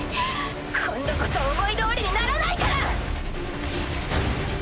今度こそ思いどおりにならないから！